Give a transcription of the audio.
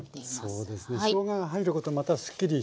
そうですね。